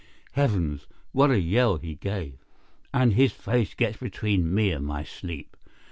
Heavens! what a yell he gave! and his face gets between me and my sleep.